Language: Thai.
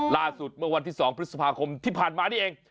เมื่อวันที่๒พฤษภาคมที่ผ่านมานี่เอง